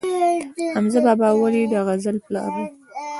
حمزه بابا ولې د غزل پلار و؟